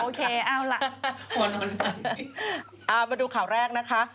โอ้โฮโอเคเอาล่ะมาดูข่าวแรกนะคะ